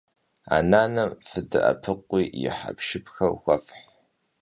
A nanem fıde'epıkhui yi hepşşıpxer xuefh.